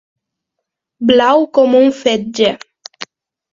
Blau com un fetge.